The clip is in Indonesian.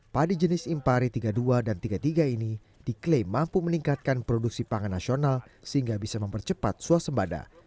padi jenis impari tiga puluh dua dan tiga puluh tiga ini diklaim mampu meningkatkan produksi pangan nasional sehingga bisa mempercepat suasembada